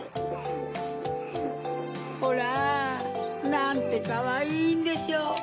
ホラなんてかわいいんでしょう。